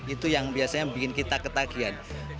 itu yang biasanya bikin kita ketagihan